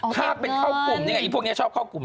ถ้าเป็นเข้ากลุ่มนี่ไงพวกนี้ชอบเข้ากลุ่ม